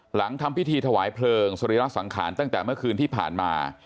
หลังทำพิธีถวายเพลิงสรีระสังขารตั้งแต่เมื่อคืนที่ผ่านมา